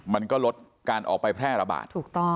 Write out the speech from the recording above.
มันก็ลดการออกไปแพร่ระบาด